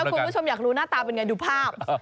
ถ้าคุณผู้ชมอยากรู้หน้าตาเป็นอย่างไรดูภาพ